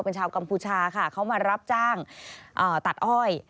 เป็นชาวกัมพูชาค่ะเขามารับจ้างตัดอ้อย